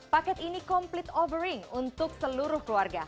paket ini komplit offering untuk seluruh keluarga